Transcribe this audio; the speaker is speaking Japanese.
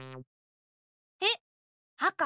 えっあか？